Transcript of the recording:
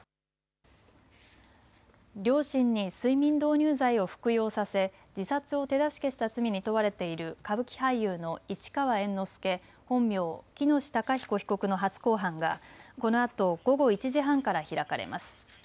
両親に睡眠導入剤を服用させ自殺を手助けした罪に問われている歌舞伎俳優の市川猿之助、本名・喜熨斗孝彦被告の初公判がこのあと午後１時半から開かれます。